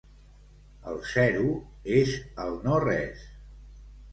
El zero és el no-res.